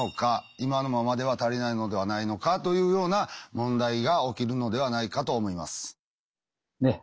今のままでは足りないのではないのかというような問題が起きるのではないかと思います。